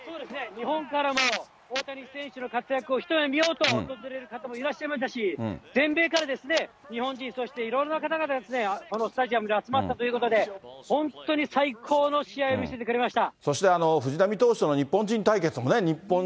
日本からも大谷選手の活躍を一目見ようと訪れる方もいらっしゃいましたし、全米から日本人、そしていろいろな方がこのスタジアムに集まったということで、本当に最高の試合、見せてくれました。